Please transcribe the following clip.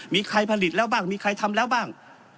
มีใครผลิตแล้วบ้างมีใครทำแล้วบ้าง